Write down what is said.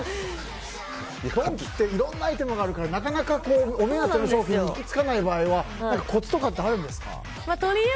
ドンキっていろんなアイテムあるからなかなかお目当ての商品に行きつかない場合はコツとかあるんですか？